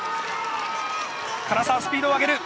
唐澤、スピードを上げる。